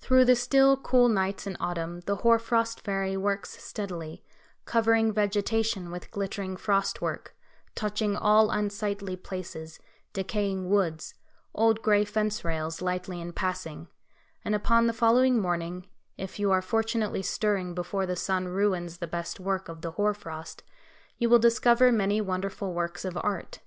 Through the still, cool nights in autumn the Hoar frost Fairy works steadily, covering vegetation with glittering frost work, touching all unsightly places, decaying woods, old gray fence rails lightly in passing, and upon the following morning, if you are fortunately stirring before the sun ruins the best work of the hoar frost, you will discover many wonderful works of art.